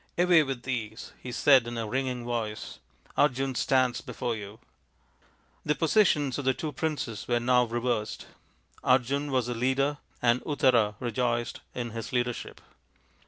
" Away with these," he said in a ringing voice, " Arjun stands before you !" The positions of the two princes were now reversed. Arjun was the leader, and Uttara rejoiced in his leadership.